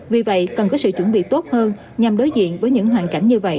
vì vậy cần có sự chuẩn bị tốt hơn nhằm đối diện với những hoàn cảnh như vậy